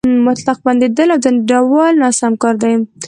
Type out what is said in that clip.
مطلق بندېدل او ځنډول ناسم کار دی.